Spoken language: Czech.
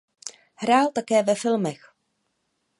Také hrál ve filmech.